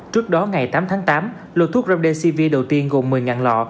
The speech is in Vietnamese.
trước đó ngày tám tháng tám lô thuốc remdcv đầu tiên gồm một mươi lọ